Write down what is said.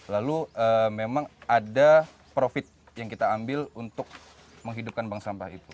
lalu memang ada profit yang kita ambil untuk menghidupkan bank sampah itu